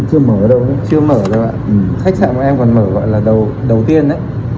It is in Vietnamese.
chưa mở đâu ạ khách sạn bọn em còn mở gọi là đầu tiên đấy